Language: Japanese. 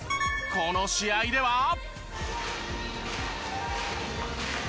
この試合では。